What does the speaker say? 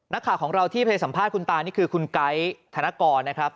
นักข่าวของเราที่ไปสัมภาษณ์คุณตานี่คือคุณไก๊ธนกรนะครับ